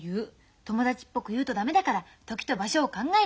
友達っぽく言うと駄目だから時と場所を考える。